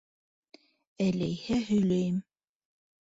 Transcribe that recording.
- Әләйһә, һөйләйем.